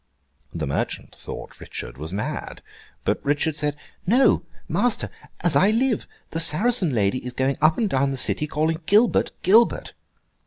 The merchant thought Richard was mad; but Richard said, 'No, master! As I live, the Saracen lady is going up and down the city, calling Gilbert! Gilbert!